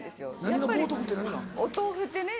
お豆腐ってね